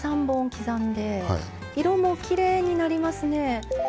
色もきれいになりますね。